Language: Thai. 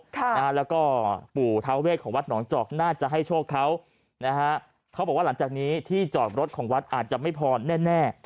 แล้วก็ปู่ทาเวทของวัดหนองจอกน่าจะให้โชคเขานะฮะเขาบอกว่าหลังจากนี้ที่จอดรถของวัดอาจจะไม่พอแน่แน่